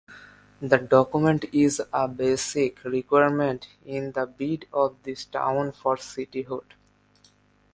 The document is a basic requirement in the bid of this town for cityhood.